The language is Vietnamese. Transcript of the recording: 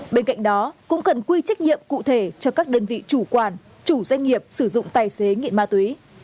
bên cạnh đó cũng cần quy trách nhiệm cụ thể cho các đơn vị chủ quản chủ doanh nghiệp sử dụng tài xế nghiện ma túy